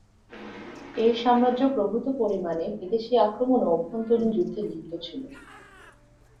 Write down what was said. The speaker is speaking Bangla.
এই সাম্রাজ্য প্রভূত পরিমাণে বিদেশী আক্রমণ ও অভ্যন্তরীণ যুদ্ধে লিপ্ত ছিল।